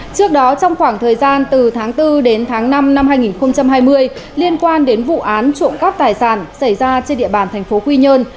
trước đó trong khoảng thời gian từ tháng bốn đến tháng năm năm hai nghìn hai mươi liên quan đến vụ án trộm cắp tài sản xảy ra trên địa bàn thành phố quy nhơn